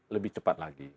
lebih cepat lagi